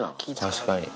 確かに。